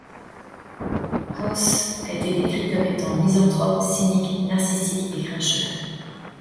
House a été décrit comme étant misanthrope, cynique, narcissique, et grincheux.